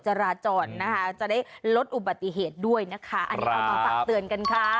จราจรนะคะจะได้ลดอุบัติเหตุด้วยนะคะอันนี้เอามาฝากเตือนกันค่ะ